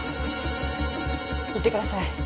行ってください